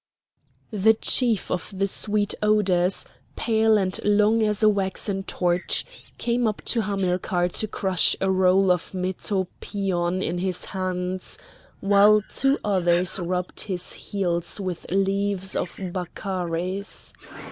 The Chief of the Sweet Odours, pale and long as a waxen torch, came up to Hamilcar to crush a roll of metopion in his hands, while two others rubbed his heels with leaves of baccharis.